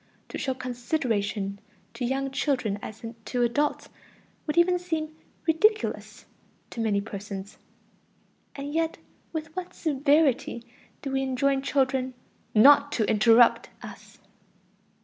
To show "consideration" to young children as to adults would even seem ridiculous to many persons. And yet with what severity do we enjoin children "not to interrupt" us!